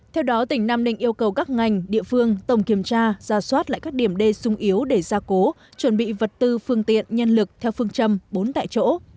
theo đó tỉnh nam định yêu cầu các ngành địa phương tổng kiểm tra ra soát lại các điểm đê sung yếu để ra cố chuẩn bị vật tư phương tiện nhân lực theo phương châm bốn tại chỗ